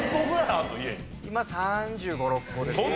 今３５３６個ですね。